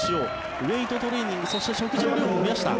ウェートトレーニングそして、食事の量も増やした。